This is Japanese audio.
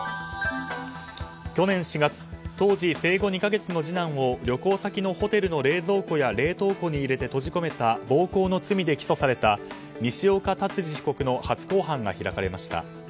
去年４月当時生後２か月の次男を旅行先のホテルの冷蔵庫や冷凍庫に入れて閉じ込めた暴行の罪で起訴された西岡竜司被告の初公判が開かれました。